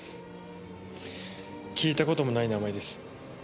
聞いたこともない名前です。